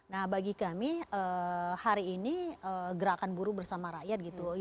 nah bagi kami hari ini gerakan buruh bersama rakyat gitu